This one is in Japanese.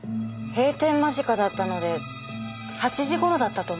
閉店間近だったので８時頃だったと思います。